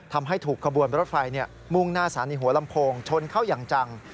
ทำให้ถูกขบวนรถไฟมุ่งหน้าสถานีหัวลำโพงชนเข้าอย่างจัง